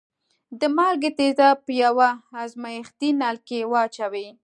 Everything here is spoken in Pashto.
د مالګې تیزاب په یوه ازمیښتي نل کې واچوئ.